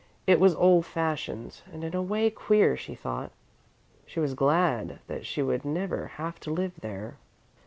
It was old fashioned, and in a way queer, she thought. She was glad that she would never have to live there.